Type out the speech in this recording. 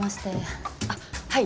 あっはい。